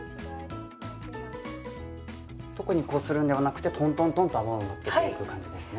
特にこするんではなくてトントントンと泡をのっけていく感じですね。